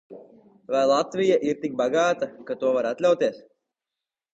Vai Latvija ir tik bagāta, ka to var atļauties?